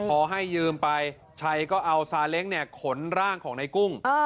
พอให้ยืมไปชัยก็เอาซาเล้งเนี่ยขนร่างของในกุ้ง